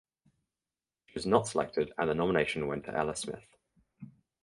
She was not selected and the nomination went to Ellis Smith.